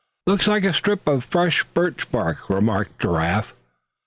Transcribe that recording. "Looks like a strip of fresh birch bark," remarked Giraffe.